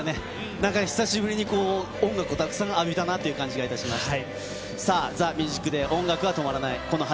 なんか久しぶりに音楽をたくさん浴びたなっていう感じがいたしました。